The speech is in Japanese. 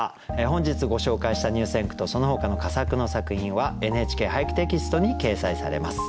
本日ご紹介した入選句とそのほかの佳作の作品は「ＮＨＫ俳句」テキストに掲載されます。